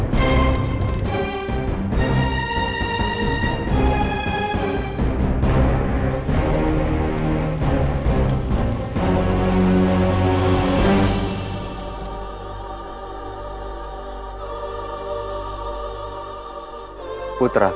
kejahatan tanpa makhluk depania